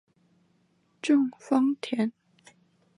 郑芳田。